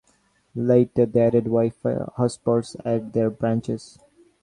Later, they added Wi-Fi hotspots at their branches.